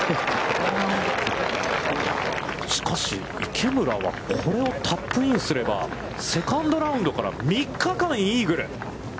しかし、池村はこれをタップインすれば、セカンドラウンドから３日間イーグル。